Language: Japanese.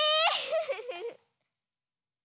フフフ。